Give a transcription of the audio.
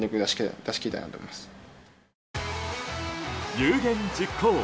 有言実行。